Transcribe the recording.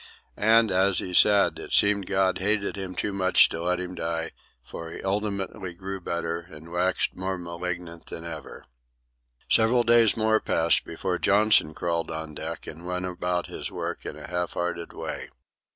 And as he said, it seemed God hated him too much to let him die, for he ultimately grew better and waxed more malignant than ever. Several days more passed before Johnson crawled on deck and went about his work in a half hearted way.